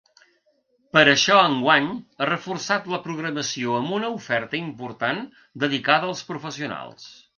Per això enguany ha reforçat la programació amb una oferta important dedicada als professionals.